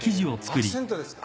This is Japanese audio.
アクセントですか。